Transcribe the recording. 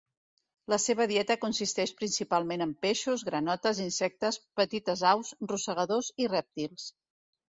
La seva dieta consisteix principalment en peixos, granotes, insectes, petites aus, rosegadors i rèptils.